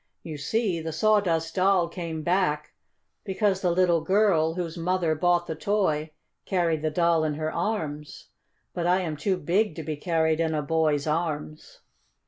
"You see, the Sawdust Doll came back because the little girl, whose mother bought the toy, carried the Doll in her arms. But I am too big to be carried in a boy's arms."